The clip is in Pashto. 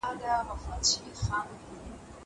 د قرآني قصو حکمتونه څه دي؟